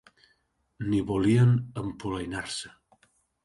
Ni volien empolainar-se